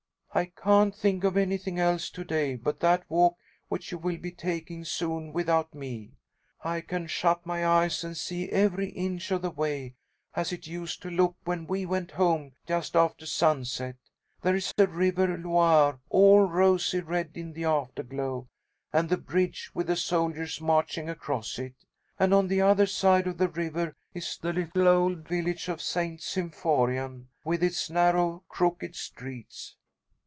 "I can't think of anything else to day, but that walk which you will be taking soon without me. I can shut my eyes and see every inch of the way, as it used to look when we went home just after sunset. There is the river Loire all rosy red in the after glow, and the bridge with the soldiers marching across it; and on the other side of the river is the little old village of St. Symphorian with its narrow, crooked streets.